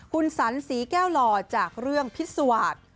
คุณสันศรีแก้วหล่อจากเรื่องพิษวาส